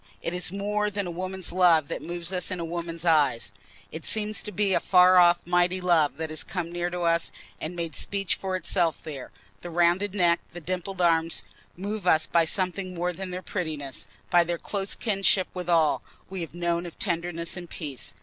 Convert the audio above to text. It is more than a woman's love that moves us in a woman's eyes—it seems to be a far off mighty love that has come near to us, and made speech for itself there; the rounded neck, the dimpled arm, move us by something more than their prettiness—by their close kinship with all we have known of tenderness and peace.